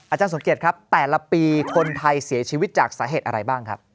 สมเกียจครับแต่ละปีคนไทยเสียชีวิตจากสาเหตุอะไรบ้างครับ